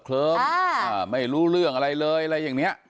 เคลิ้มไม่รู้เรื่องอะไรเลยอะไรอย่างนี้